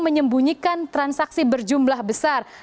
menyembunyikan transaksi berjumlah besar